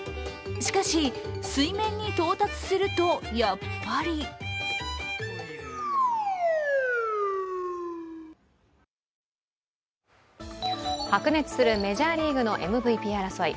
しかし、水面に到達するとやっぱり白熱するメジャーリーグのＭＶＰ争い。